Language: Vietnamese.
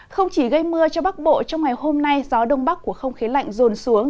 không chỉ gây mưa cho bắc bộ trong ngày hôm nay gió đông bắc của không khí lạnh rồn xuống